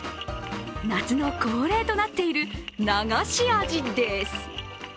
夏の恒例となっている流しあじです。